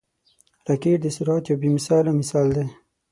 راکټ د سرعت یو بې مثاله مثال دی